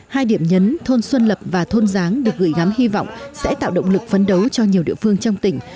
hai điểm nhấn thôn xuân lập và thôn giáng được gửi gắm hy vọng sẽ tạo động lực phấn đấu cho nhiều địa phương trong tỉnh